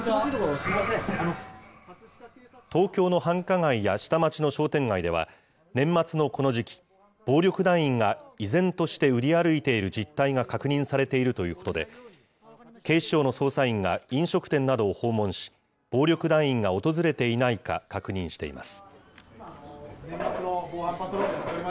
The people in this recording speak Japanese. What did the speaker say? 東京の繁華街や下町の商店街では、年末のこの時期、暴力団員が依然として売り歩いている実態が確認されているということで、警視庁の捜査員が飲食店などを訪問し、暴力団員が訪れていないか確認しています。